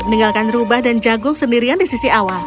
meninggalkan rubah dan jagung sendirian di sisi awal